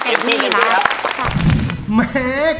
เออแล้วลูกเขาไม่เต็มที่ค่ะ